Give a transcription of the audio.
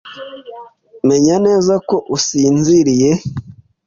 Menya neza ko usinziriye.